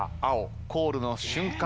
コールの瞬間